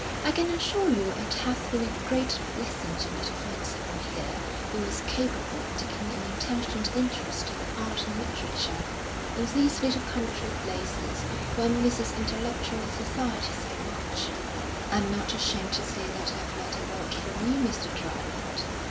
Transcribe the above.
I can assure you it has been a great blessing to me to find someone here who was capable of taking an intelligent interest in Art and Literature. In these little country places one misses intellectual society so much." "I'm not ashamed to say that I've learnt a lot from you, Mr. Dryland."